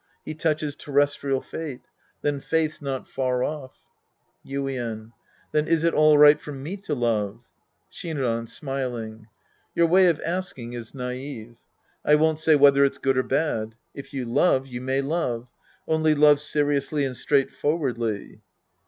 He touches terrestrial fate. Then faith's not far off. Yuien. Then is it all right for me to love ? Shinran {smiling). Your way of asking is naive. I won't say whether it's good or bad. If you love, you may love. Only love seriously and straight forwardly.